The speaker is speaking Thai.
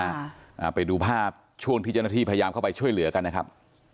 อ่าไปดูภาพช่วงที่เจ้าหน้าที่พยายามเข้าไปช่วยเหลือกันนะครับ